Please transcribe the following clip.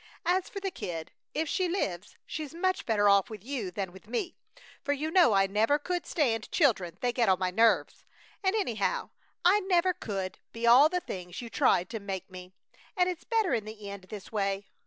As for the kid, if she lives she's much better off with you than with me, for you know I never could stand children; they get on my nerves. And, anyhow, I never could be all the things you tried to make me, and it's better in the end this way.